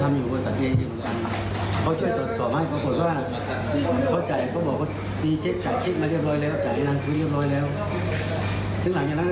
ไม่รู้ว่าเสียงเรื่องอะไร